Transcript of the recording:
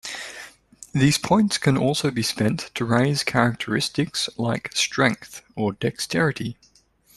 These points can also be spent to raise characteristics like strength or dexterity.